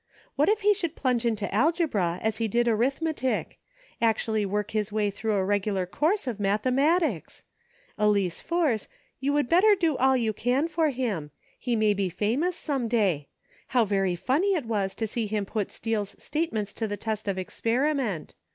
What if he should plunge into algebra as he did arithmetic "i Actually work his way through a regular course of mathematics ! Elice Force, you would better do all you can for him ; he may be famous some day ; how very funny it was to see him put Steele's statements to the test of experi ment.